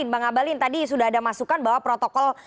bang abalin tadi sudah ada masukan bahwa protokol